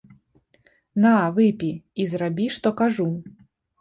На выпі і зрабі, што кажу!